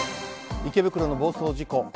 池袋の暴走事故。